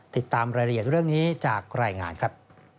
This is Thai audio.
ติดตามรายละเอียดเรื่องนี้จากรายงานครับ